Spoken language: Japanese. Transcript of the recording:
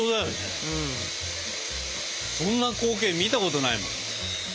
そんな光景見たことないもん。